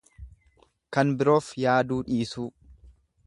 Kan biroof yaaduu dhisuun.